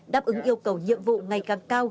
đáp ứng yêu cầu nhiệm vụ ngày càng cao